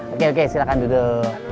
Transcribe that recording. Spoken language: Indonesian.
oke oke silakan duduk